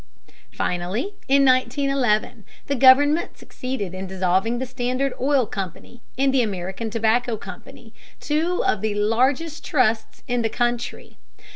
Finally in 1911 the government succeeded in dissolving the Standard Oil Company and the American Tobacco Company, two of the largest trusts in the country.